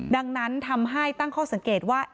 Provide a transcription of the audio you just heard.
ดังนั้นทำให้ตั้งข้อสังเกตว่า